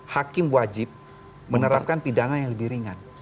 hakim wajib menerapkan pidana yang lebih ringan